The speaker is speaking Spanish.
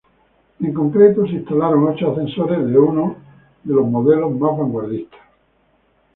En concreto se instalaron ocho ascensores de uno de los modelos más vanguardistas.